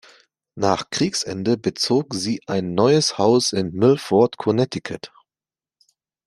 Nach Kriegsende bezog sie ein neues Haus in Milford, Connecticut.